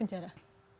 pengaruh di penjara